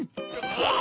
あっ。